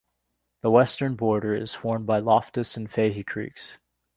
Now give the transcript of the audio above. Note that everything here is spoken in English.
The western border is formed by Loftus and Fahy Creeks.